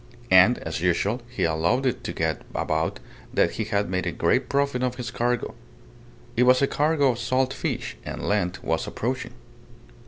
And, as usual, he allowed it to get about that he had made a great profit on his cargo. It was a cargo of salt fish, and Lent was approaching.